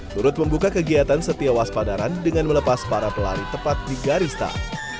berut membuka kegiatan setiawas padaran dengan melepas para pelari tepat di garis tak